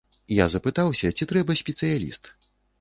Я запытаўся, ці трэба спецыяліст?